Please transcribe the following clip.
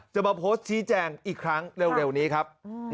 จะมาโพสต์ชี้แจงอีกครั้งเร็วนี้ครับ